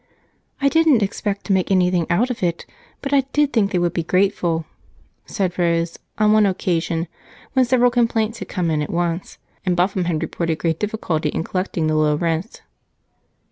"I didn't expect to make anything out of it, but I did think they would be grateful," said Rose on one occasion when several complaints had come in at once and Buffum had reported great difficulty in collecting the low rents.